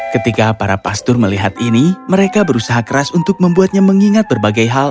ketika para pastor melihat ini mereka berusaha keras untuk membuatnya mengingat berbagai hal